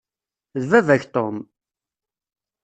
D baba-k Tom.